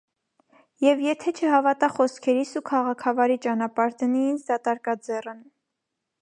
Եվ եթե չհավատա խոսքերիս ու քաղաքավարի ճանապարհ դնի ինձ դատարկաձեռն…